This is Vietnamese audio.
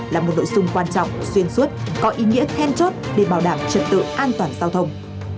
là một nội dung quan trọng xuyên suốt có ý nghĩa then chốt để bảo đảm trật tự an toàn giao thông